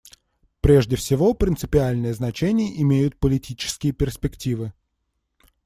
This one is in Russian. Прежде всего принципиальное значение имеют политические перспективы.